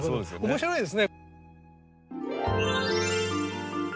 面白いですね。